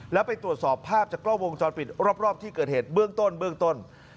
แล้วไปตรวจสอบภาพจากกล้องวงจรปิดรอบที่เกิดเหตุเบื้องต้นเบื้องต้น